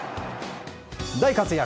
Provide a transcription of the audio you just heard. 大活躍！